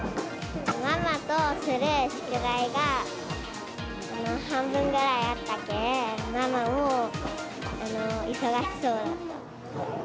ママとする宿題が半分ぐらいあったけん、ママも忙しそうだった。